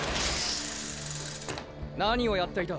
何をやっていた？